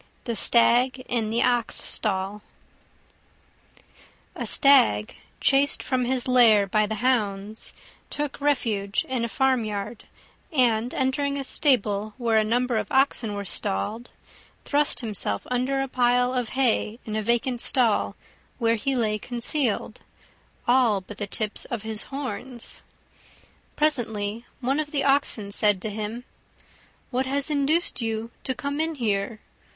THE STAG IN THE OX STALL A Stag, chased from his lair by the hounds, took refuge in a farmyard, and, entering a stable where a number of oxen were stalled, thrust himself under a pile of hay in a vacant stall, where he lay concealed, all but the tips of his horns. Presently one of the Oxen said to him, "What has induced you to come in here?